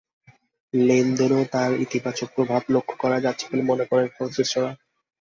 লেনদেনেও তার ইতিবাচক প্রভাব লক্ষ করা যাচ্ছে বলে মনে করছেন সংশ্লিষ্টরা।